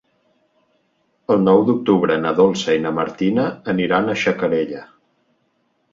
El nou d'octubre na Dolça i na Martina aniran a Xacarella.